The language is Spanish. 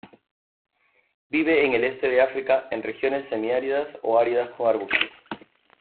Vive en el este de África, en regiones semiáridas o áridas con arbustos.